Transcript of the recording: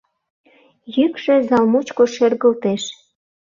Йӱкшӧ зал мучко шергылтеш: